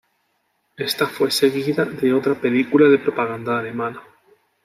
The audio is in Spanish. Esta fue seguida de otra película de propaganda alemana.